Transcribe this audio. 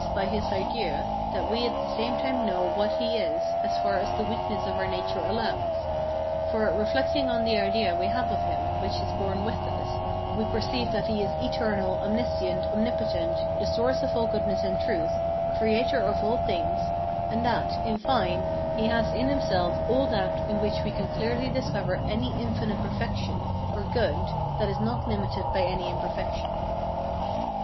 by his idea, that we at the same time know what he is, as far as the weakness of our nature allows; for, reflecting on the idea we have of him which is born with us, we perceive that he is eternal, omniscient, omnipotent, the source of all goodness and truth, creator of all things, and that, in fine, he has in himself all that in which we can clearly discover any infinite perfection or good that is not limited by any imperfection.